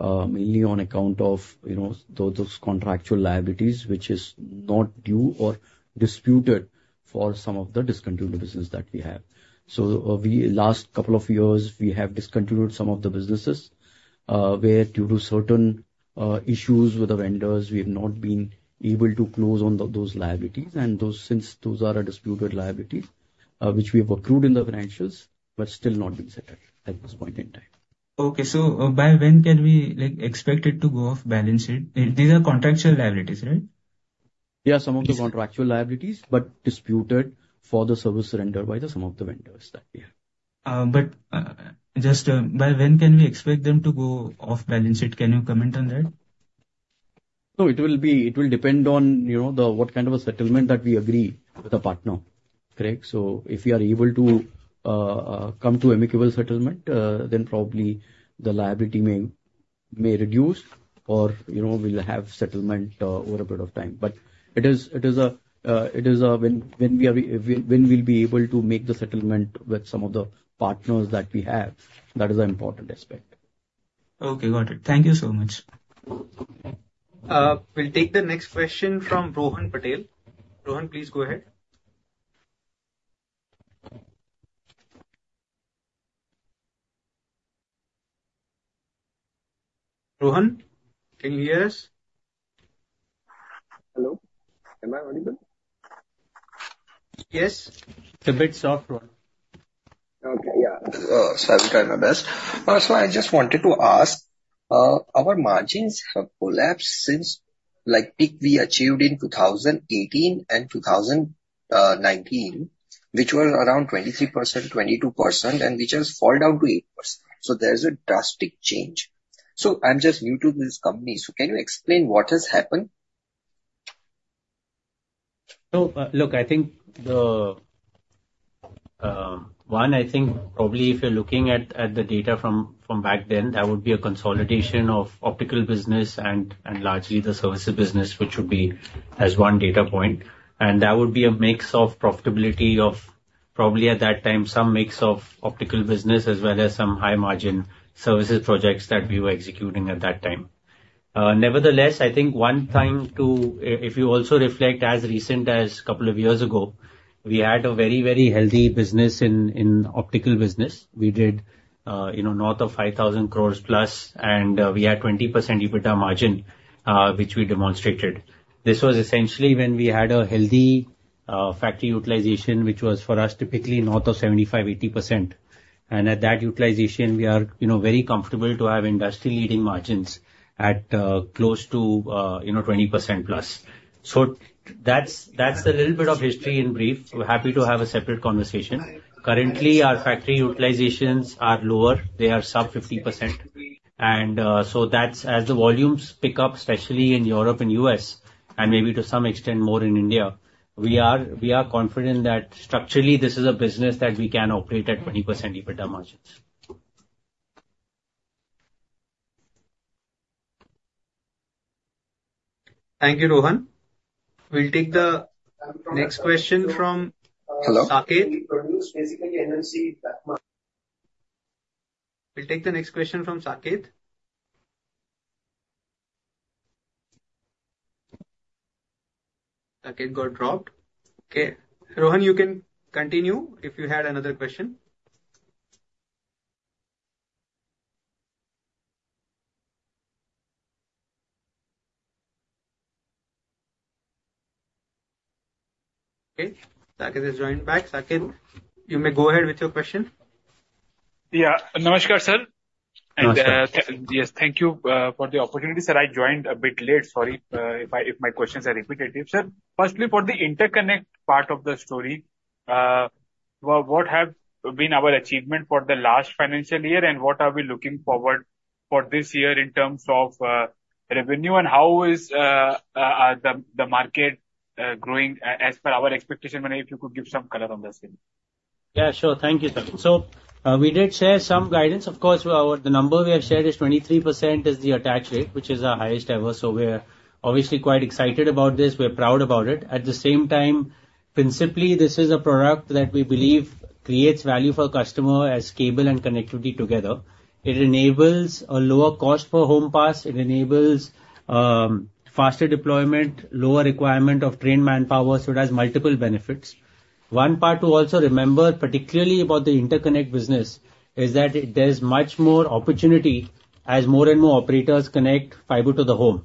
mainly on account of those contractual liabilities which is not due or disputed for some of the discontinued business that we have. So last couple of years, we have discontinued some of the businesses where due to certain issues with the vendors, we have not been able to close on those liabilities. And since those are disputed liabilities, which we have accrued in the financials, but still not been settled at this point in time. Okay. So by when can we expect it to go off balance sheet? These are contractual liabilities, right? Yeah, some of the contractual liabilities, but disputed for the services rendered by some of the vendors that we have. But just by when can we expect them to go off balance sheet? Can you comment on that? So it will depend on what kind of a settlement that we agree with a partner, correct? So if we are able to come to amicable settlement, then probably the liability may reduce or we'll have settlement over a period of time. But it is when we'll be able to make the settlement with some of the partners that we have, that is an important aspect. Okay. Got it. Thank you so much. We'll take the next question from Rohan Patel. Rohan, please go ahead. Rohan, can you hear us? Hello. Am I audible? Yes. It's a bit soft one. Okay. Yeah. So I will try my best. First of all, I just wanted to ask, our margins have collapsed since peak we achieved in 2018 and 2019, which were around 23%, 22%, and which has fallen down to 8%. So there's a drastic change. So I'm just new to this company. So can you explain what has happened? So look, I think the one, I think probably if you're looking at the data from back then, that would be a consolidation of optical business and largely the services business, which would be as one data point. And that would be a mix of profitability of probably at that time, some mix of optical business as well as some high-margin services projects that we were executing at that time. Nevertheless, I think one time too, if you also reflect as recent as a couple of years ago, we had a very, very healthy business in optical business. We did north of 5,000 crore plus, and we had 20% EBITDA margin, which we demonstrated. This was essentially when we had a healthy factory utilization, which was for us typically north of 75%-80%. At that utilization, we are very comfortable to have industry-leading margins at close to 20%+. So that's a little bit of history in brief. We're happy to have a separate conversation. Currently, our factory utilizations are lower. They are sub 50%. And so as the volumes pick up, especially in Europe and U.S., and maybe to some extent more in India, we are confident that structurally, this is a business that we can operate at 20% EBITDA margins. Thank you, Rohan. We'll take the next question from Saket. We'll take the next question from Saket. Saket got dropped. Okay. Rohan, you can continue if you had another question. Okay. Saket has joined back. Saket, you may go ahead with your question. Yeah. Namaskar, sir. And yes, thank you for the opportunity. Sir, I joined a bit late. Sorry if my questions are repetitive. Sir, firstly, for the interconnect part of the story, what have been our achievement for the last financial year, and what are we looking forward for this year in terms of revenue, and how is the market growing as per our expectation? If you could give some color on the scene. Yeah. Sure. Thank you, sir. So we did share some guidance. Of course, the number we have shared is 23% is the attach rate, which is our highest ever. So we're obviously quite excited about this. We're proud about it. At the same time, principally, this is a product that we believe creates value for customer as cable and connectivity together. It enables a lower cost for home pass. It enables faster deployment, lower requirement of trained manpower, so it has multiple benefits. One part to also remember, particularly about the interconnect business, is that there's much more opportunity as more and more operators connect fiber to the home.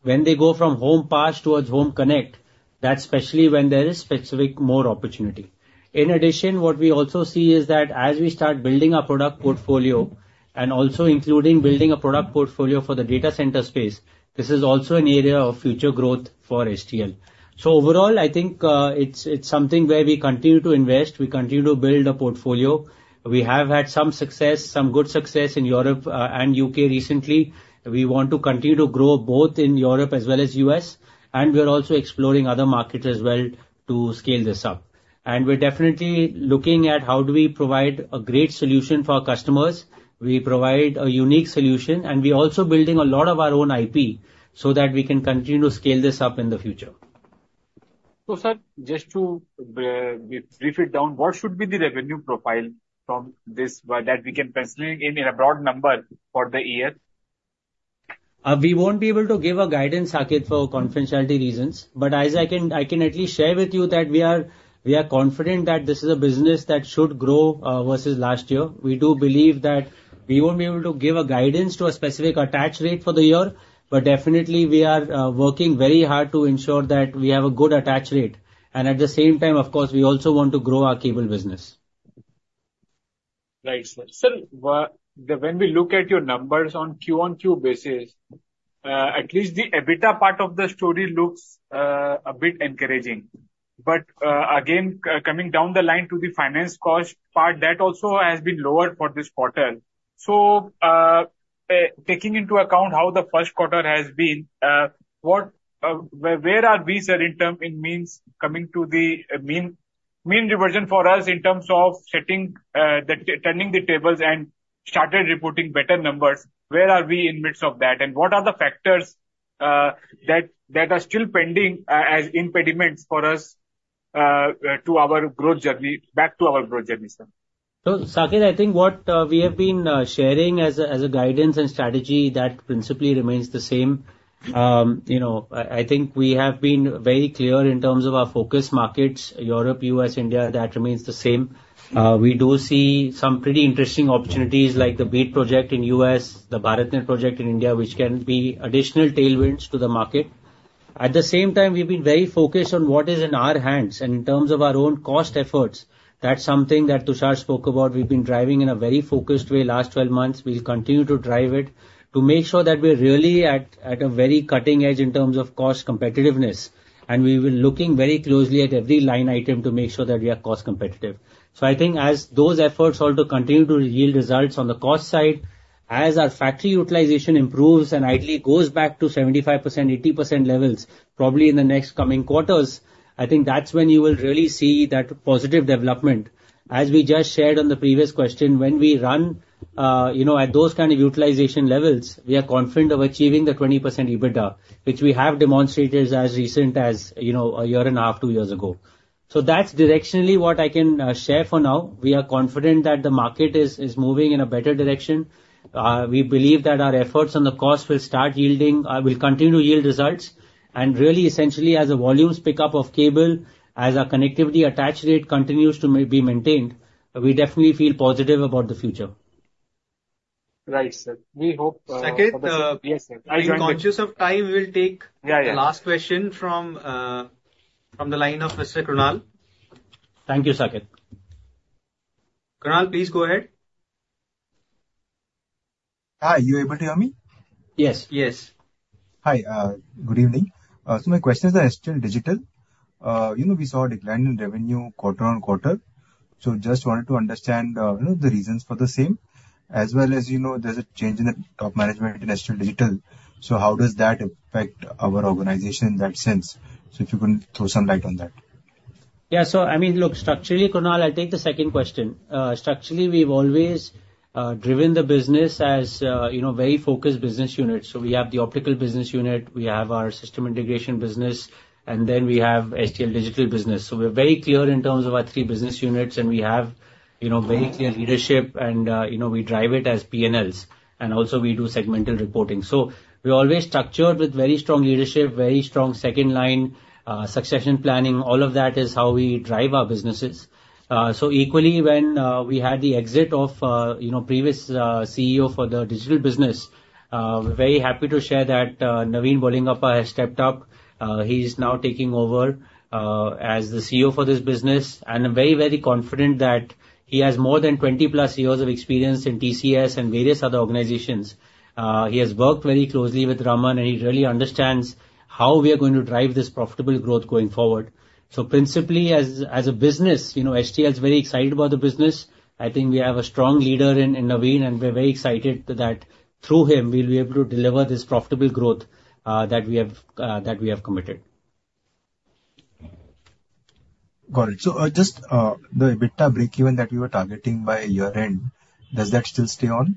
When they go from home pass towards home connect, that's especially when there is specific more opportunity. In addition, what we also see is that as we start building a product portfolio and also including building a product portfolio for the data center space, this is also an area of future growth for STL. So overall, I think it's something where we continue to invest. We continue to build a portfolio. We have had some success, some good success in Europe and U.K. recently. We want to continue to grow both in Europe as well as U.S. We're also exploring other markets as well to scale this up. We're definitely looking at how do we provide a great solution for our customers. We provide a unique solution, and we're also building a lot of our own IP so that we can continue to scale this up in the future. So sir, just to brief it down, what should be the revenue profile from this that we can pencil in a broad number for the year? We won't be able to give a guidance, Saket, for confidentiality reasons. But I can at least share with you that we are confident that this is a business that should grow versus last year. We do believe that we won't be able to give a guidance to a specific attach rate for the year, but definitely, we are working very hard to ensure that we have a good attach rate. And at the same time, of course, we also want to grow our cable business. Right. Sir, when we look at your numbers on Q on Q basis, at least the EBITDA part of the story looks a bit encouraging. But again, coming down the line to the finance cost part, that also has been lowered for this quarter. So taking into account how the first quarter has been, where are we, sir, in terms in means coming to the mean reversion for us in terms of turning the tables and started reporting better numbers? Where are we in midst of that? And what are the factors that are still pending as impediments for us to our growth journey, back to our growth journey, sir? So Saket, I think what we have been sharing as a guidance and strategy that principally remains the same. I think we have been very clear in terms of our focus markets, Europe, U.S., India, that remains the same. We do see some pretty interesting opportunities like the BEAD project in U.S., the BharatNet project in India, which can be additional tailwinds to the market. At the same time, we've been very focused on what is in our hands. In terms of our own cost efforts, that's something that Tushar spoke about. We've been driving in a very focused way last 12 months. We'll continue to drive it to make sure that we're really at a very cutting edge in terms of cost competitiveness. We were looking very closely at every line item to make sure that we are cost competitive. I think as those efforts also continue to yield results on the cost side, as our factory utilization improves and ideally goes back to 75%, 80% levels, probably in the next coming quarters, I think that's when you will really see that positive development. As we just shared on the previous question, when we run at those kind of utilization levels, we are confident of achieving the 20% EBITDA, which we have demonstrated as recent as a year and a half, two years ago. So that's directionally what I can share for now. We are confident that the market is moving in a better direction. We believe that our efforts on the cost will continue to yield results. And really, essentially, as the volumes pick up of cable, as our connectivity attach rate continues to be maintained, we definitely feel positive about the future. Right, sir. We are conscious of the time and will take the last question from the line of Mr. Kunal. Thank you, Saket. Kunal, please go ahead. Hi, you able to hear me? Yes. Yes. Hi, good evening. So my questions are still digital. We saw a decline in revenue quarter-over-quarter. So just wanted to understand the reasons for the same. As well as there's a change in the top management in STL Digital. So how does that affect our organization in that sense? So if you can throw some light on that. Yeah. So I mean, look, structurally, Kunal, I'll take the second question. Structurally, we've always driven the business as a very focused business unit. So we have the optical business unit. We have our system integration business. And then we have STL Digital business. So we're very clear in terms of our three business units. And we have very clear leadership. And we drive it as P&Ls. And also, we do segmental reporting. So we're always structured with very strong leadership, very strong second-line succession planning. All of that is how we drive our businesses. So equally, when we had the exit of the previous CEO for the digital business, we're very happy to share that Naveen Bolalingappa has stepped up. He's now taking over as the CEO for this business. And I'm very, very confident that he has more than 20+ years of experience in TCS and various other organizations. He has worked very closely with Raman. And he really understands how we are going to drive this profitable growth going forward. So principally, as a business, STL is very excited about the business. I think we have a strong leader in Naveen. And we're very excited that through him, we'll be able to deliver this profitable growth that we have committed. Got it. So just the EBITDA break-even that we were targeting by year-end, does that still stay on?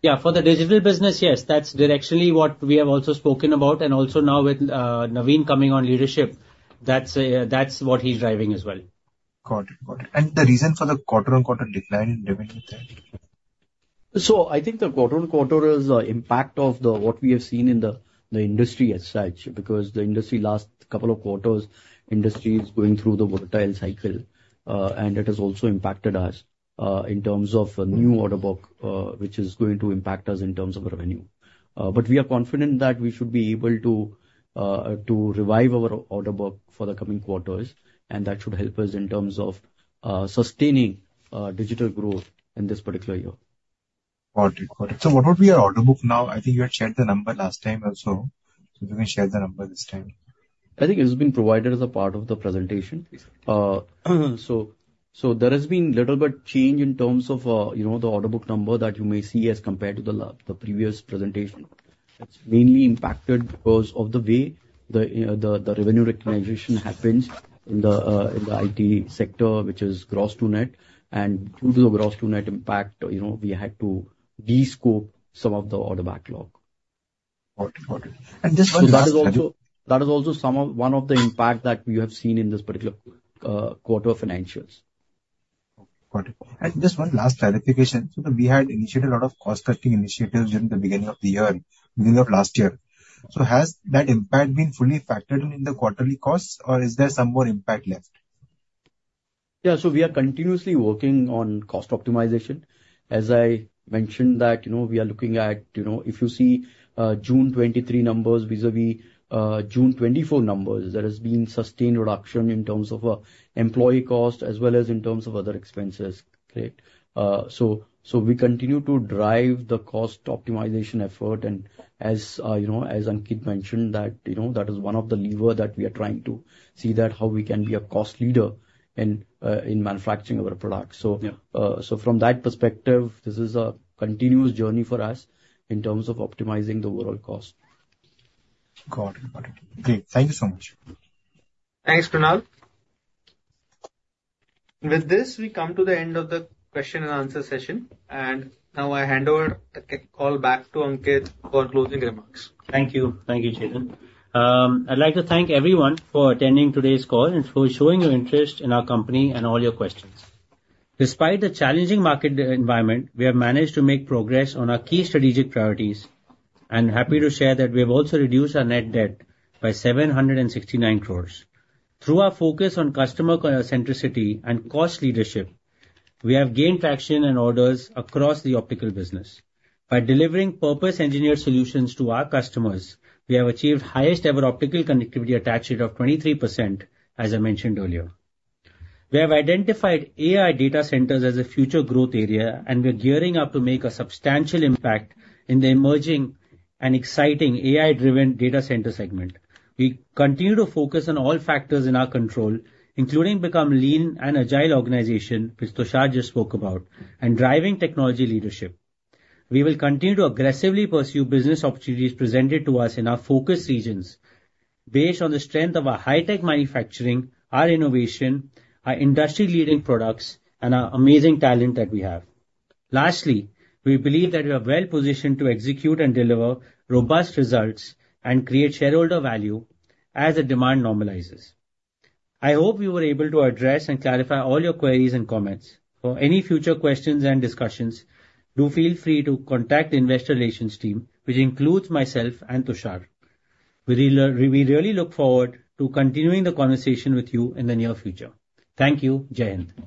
Yeah. For the digital business, yes. That's directionally what we have also spoken about. And also now with Naveen coming on leadership, that's what he's driving as well. Got it. Got it. And the reason for the quarter-on-quarter decline in revenue there? So I think the quarter-on-quarter is the impact of what we have seen in the industry as such. Because the industry last couple of quarters, industry is going through the volatile cycle. And it has also impacted us in terms of new order book, which is going to impact us in terms of revenue. But we are confident that we should be able to revive our order book for the coming quarters. And that should help us in terms of sustaining digital growth in this particular year. Got it. Got it. So what would be your order book now? I think you had shared the number last time also. So if you can share the number this time. I think it has been provided as a part of the presentation. So there has been a little bit of change in terms of the order book number that you may see as compared to the previous presentation. It's mainly impacted because of the way the revenue recognition happens in the IT sector, which is gross to net. And due to the gross-to-net impact, we had to descope some of the order backlog. Got it. Got it. And just one last question. So that is also one of the impacts that we have seen in this particular quarter of financials. Got it. And just one last clarification. So we had initiated a lot of cost-cutting initiatives during the beginning of the year, middle of last year. So has that impact been fully factored in the quarterly costs? Or is there some more impact left? Yeah. So we are continuously working on cost optimization. As I mentioned that we are looking at if you see June 2023 numbers vis-à-vis June 2024 numbers, there has been sustained reduction in terms of employee cost as well as in terms of other expenses. So we continue to drive the cost optimization effort. And as Ankit mentioned, that is one of the levers that we are trying to see how we can be a cost leader in manufacturing our products. So from that perspective, this is a continuous journey for us in terms of optimizing the overall cost. Got it. Got it. Great. Thank you so much. Thanks, Kunal. With this, we come to the end of the question-and-answer session. And now I hand over the call back to Ankit for closing remarks. Thank you. Thank you, Chetan. I'd like to thank everyone for attending today's call and for showing your interest in our company and all your questions. Despite the challenging market environment, we have managed to make progress on our key strategic priorities. I'm happy to share that we have also reduced our net debt by 769 crores. Through our focus on customer-centricity and cost leadership, we have gained traction and orders across the optical business. By delivering purpose-engineered solutions to our customers, we have achieved highest-ever optical connectivity attach rate of 23%, as I mentioned earlier. We have identified AI data centers as a future growth area, and we're gearing up to make a substantial impact in the emerging and exciting AI-driven data center segment. We continue to focus on all factors in our control, including becoming a lean and agile organization, which Tushar just spoke about, and driving technology leadership. We will continue to aggressively pursue business opportunities presented to us in our focus regions based on the strength of our high-tech manufacturing, our innovation, our industry-leading products, and our amazing talent that we have. Lastly, we believe that we are well-positioned to execute and deliver robust results and create shareholder value as the demand normalizes. I hope we were able to address and clarify all your queries and comments. For any future questions and discussions, do feel free to contact the investor relations team, which includes myself and Tushar. We really look forward to continuing the conversation with you in the near future. Thank you, Chetan.